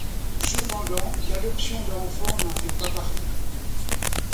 Cependant, l'adoption d'enfants n'en fait pas partie.